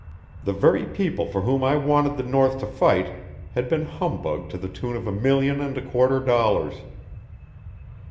The very people for whom I wanted the north to fight had been humbugged to the tune of a million and a quarter dollars.